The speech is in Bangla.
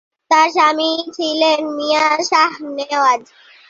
তাঁর স্বামী ছিলেন মিয়াঁ শাহ নেওয়াজ।